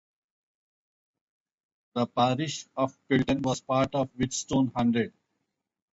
The parish of Pilton was part of the Whitstone Hundred.